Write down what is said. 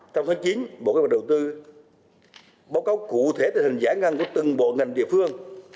trong tháng chín bộ các bộ đầu tư báo cáo cụ thể tình hình giải ngăn của từng bộ ngành địa phương